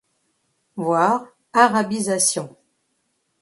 Voir: Arabisation.